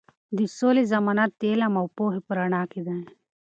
د سولې ضمانت د علم او پوهې په رڼا کې دی.